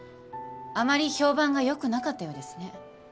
あまり評判が良くなかったようですね。